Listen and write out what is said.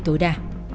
thì tối đa